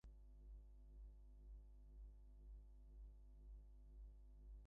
It turned out to be the "programmatic" book of the Seminar.